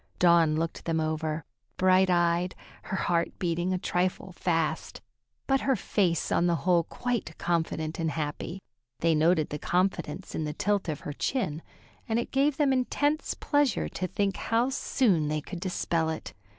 Dawn looked them over, bright eyed, her heart beating a trifle fast, but her face on the whole quite confident and happy. They noted the confidence in the tilt of her chin, and it gave them intense pleasure to think how soon they could dispel it.